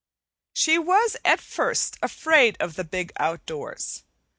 She was at first afraid of "the big outdoors."